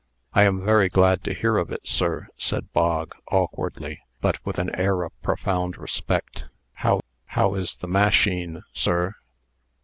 "I am very glad to hear of it, sir," said Bog, awkwardly, but with an air of profound respect. "How how is the _ma_sheen, sir?"